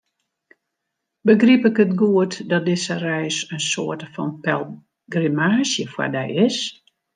Begryp ik it goed dat dizze reis in soarte fan pelgrimaazje foar dy is?